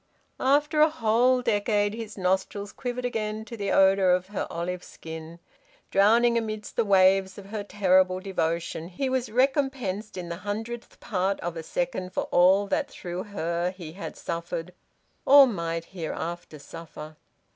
After a whole decade his nostrils quivered again to the odour of her olive skin. Drowning amid the waves of her terrible devotion, he was recompensed in the hundredth part of a second for all that through her he had suffered or might hereafter suffer.